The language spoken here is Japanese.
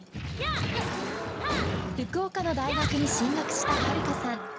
福岡の大学に進学した悠さん。